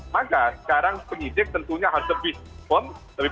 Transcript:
maka sekarang penyidik tentunya harus lebih firm